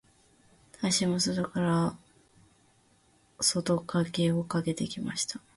足も外から小外掛けをかけてきました。